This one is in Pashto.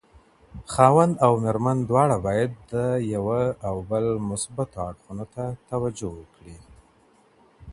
خاوند او ميرمن دواړه بايد د یو بل مثبت اړخونو ته توجه وکړي